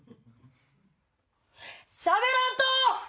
しゃべらんと！